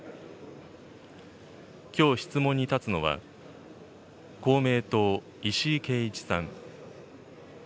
きょう質問に立つのは、公明党、石井啓一さん。